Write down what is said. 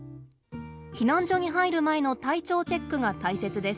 避難所に入る前の体調チェックが大切です。